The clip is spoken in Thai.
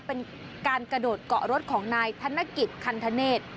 เป็นการกระโดดเกาะรถของนายธนกิจคันธเนธ